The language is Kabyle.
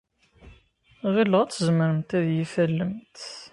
Ɣileɣ ad tzemremt ad iyi-tallemt.